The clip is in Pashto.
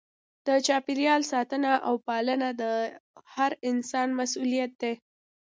د چاپیریال ساتنه او پالنه د هر انسان مسؤلیت دی.